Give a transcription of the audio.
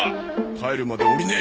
帰るまで下りねえ！